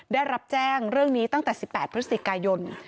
ได้รับแจ้งเรื่องนี้ตั้งแต่๑๘พฤศจิกายน